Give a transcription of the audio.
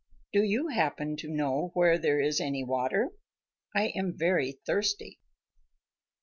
Do you happen to know where there is any water? I am very thirsty."